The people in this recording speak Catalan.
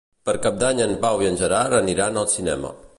Per Cap d'Any en Pau i en Gerard aniran al cinema.